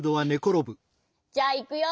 じゃあいくよ！